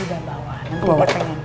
nanti dia pengen